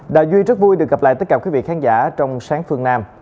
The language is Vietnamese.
đà duy rất vui được gặp lại tất cả quý vị khán giả trong sáng phương nam